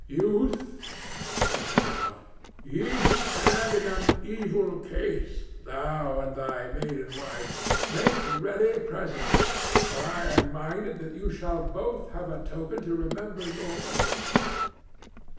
"Youth," said Endicott, "ye stand in an evil case—thou and thy maiden wife. Make ready presently, for I am minded that ye shall both have a token to remember your wedding day."